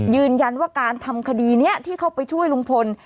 ยืนยันว่าการทำคดีนี้ที่เข้าไปช่วยลุงพล